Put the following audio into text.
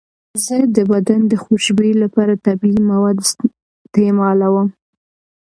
زه د بدن د خوشبویۍ لپاره طبیعي مواد استعمالوم.